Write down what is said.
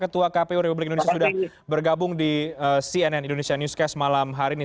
ketua kpu republik indonesia sudah bergabung di cnn indonesia newscast malam hari ini